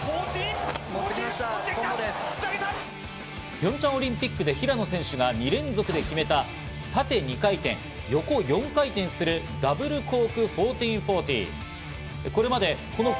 ピョンチャンオリンピックで平野選手が２連続で決めた縦２回転、横４回転するダブルコーク１４４０。